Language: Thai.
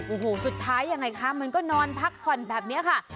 โอ้โหสุดท้ายยังไงคะมันก็นอนพักผ่อนแบบนี้ค่ะ